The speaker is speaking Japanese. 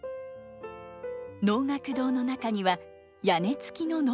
能楽堂の中には屋根付きの能舞台が。